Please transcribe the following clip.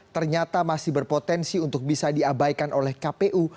ternyata masih berpotensi untuk bisa diabaikan oleh kpu